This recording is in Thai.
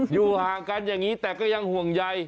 อยู่ห่างกันอย่างนี้แต่ก็ยังห่วงใย